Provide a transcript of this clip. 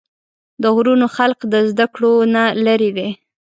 د غرونو خلق د زدکړو نه لرې دي